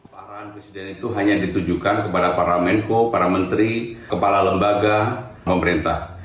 parahan presiden itu hanya ditujukan kepada para menko para menteri kepala lembaga pemerintah